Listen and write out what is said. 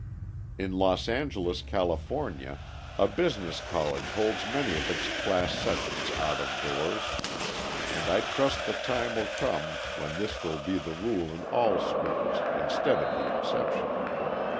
In Los Angeles, California, a business college holds many of its class sessions out of doors, and I trust the time will come when this will be the rule in all schools, instead of the exception.